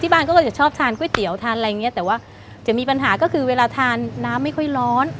บ้านก็จะชอบทานก๋วยเตี๋ยวทานอะไรอย่างเงี้ยแต่ว่าจะมีปัญหาก็คือเวลาทานน้ำไม่ค่อยร้อน